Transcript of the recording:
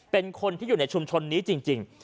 เป็นคนที่อยู่ในชุมชนนี้จริง